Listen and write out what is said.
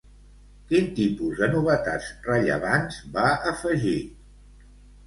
Quin tipus de novetats rellevants va afegir?